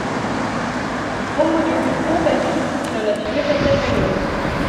Membre du groupe Bourbaki, il en a filmé certaines réunions.